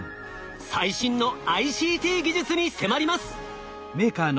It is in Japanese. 最新のＩＣＴ技術に迫ります。